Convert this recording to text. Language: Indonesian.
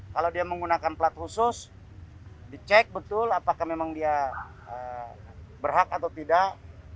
kalau dia menggunakan plat khusus dicek betul apakah memang dia berhak atau tidak